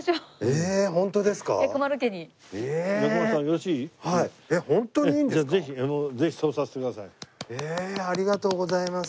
えっありがとうございます。